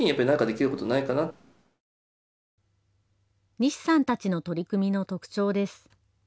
西さんたちの取り組みの特徴です。